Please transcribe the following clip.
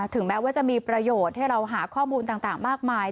แม้ว่าจะมีประโยชน์ให้เราหาข้อมูลต่างมากมาย